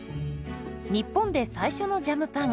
日本で最初のジャムパン。